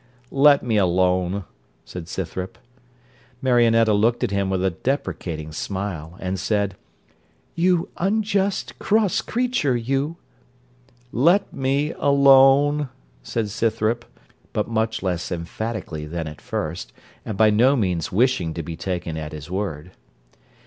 'Let me alone,' said Scythrop. Marionetta looked at him with a deprecating smile, and said, 'You unjust, cross creature, you.' 'Let me alone,' said Scythrop, but much less emphatically than at first, and by no means wishing to be taken at his word.